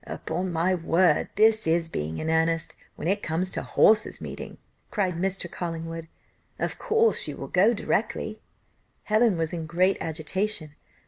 "Upon my word, this is being in earnest, when it comes to horses meeting," cried Mr. Collingwood. "Of course you will go directly?" Helen was in great agitation.